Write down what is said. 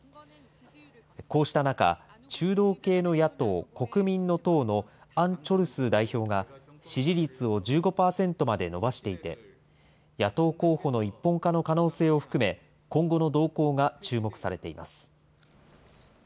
こうした中、中道系の野党・国民の党のアン・チョルス代表が、支持率を１５％まで伸ばしていて、野党候補の一本化の可能性を含め、今後の動向が注目されています。